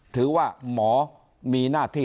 ถือว่าหมอมีหน้าที่